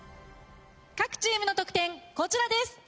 各チームの得点こちらです。